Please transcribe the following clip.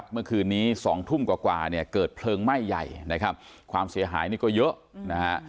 เมื่อคืนนี้๒ทุ่มกว่าเกิดเพลิงไหม้ใหญ่ความเสียหายก็เยอะ